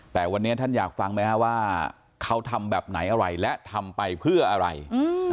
แต่วันนี้ท่านอยากฟังไหมฮะว่าเขาทำแบบไหนอะไรและทำไปเพื่ออะไร